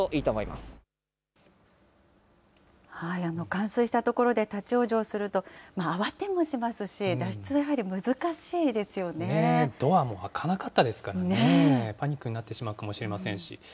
冠水した所で立往生すると、慌てもしますし、脱出はやはり難ドアも開かなかったですからね、パニックになってしまうかもしれませんし。